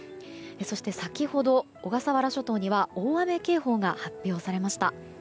そして、先ほど小笠原諸島には、大雨警報が発表されました。